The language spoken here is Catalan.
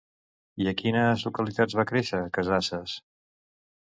I a quines localitats va créixer Casassas?